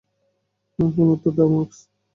ফোনে উত্তর দাও, মার্কস।